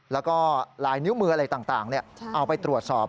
แล้วก็ลายนิ้วมืออะไรต่างเอาไปตรวจสอบ